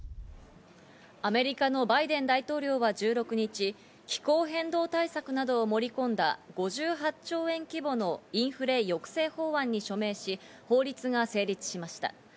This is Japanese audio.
アメリカのバイデン大統領は１６日、気候変動対策などを盛り込んだ５８兆円規模のインフレ抑制法案に署名し、法律が成立しました。